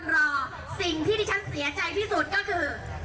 รอสิ่งที่ที่ฉันเสียใจที่สุดก็คือ